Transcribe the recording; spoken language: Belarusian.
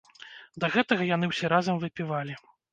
Да гэтага яны ўсе разам выпівалі.